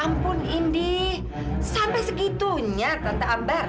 ya ampun indi sampai segitunya tante ambar